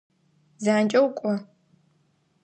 Занкӏэу кӏо!